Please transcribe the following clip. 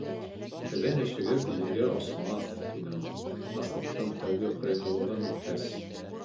— Һеҙҙең эшегеҙ елгә осмаҫ, — тине ул, аслыҡтың тәүге ҡыйынлығын үткәс.